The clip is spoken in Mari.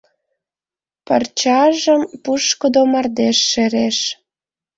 Парчажым пушкыдо мардеж шереш.